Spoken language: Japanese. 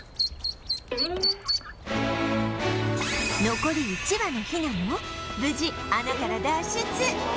残り１羽のヒナも無事穴から脱出！